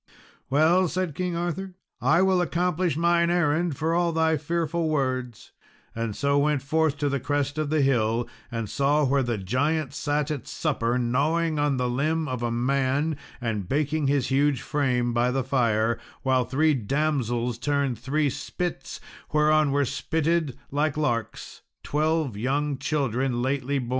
"Well," said King Arthur, "I will accomplish mine errand, for all thy fearful words;" and so went forth to the crest of the hill, and saw where the giant sat at supper, gnawing on a limb of a man, and baking his huge frame by the fire, while three damsels turned three spits whereon were spitted, like larks, twelve young children lately born.